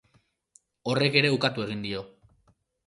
Horrek ere ukatu egin dio.